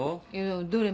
どれ？